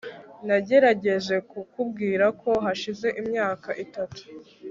Nagerageje kukubwira ko hashize imyaka itatu